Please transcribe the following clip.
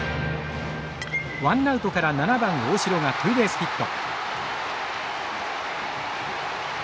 ワンナウトから７番大城がツーベースヒット。